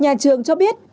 nhà trường cho biết